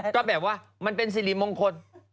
ก็แบบว่ามันเป็นสิริมงคล